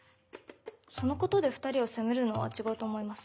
そのことで２人を責めるのは違うと思います。